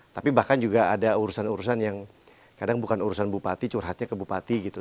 tapi bahkan juga ada urusan urusan yang kadang bukan urusan bupati curhatnya ke bupati gitu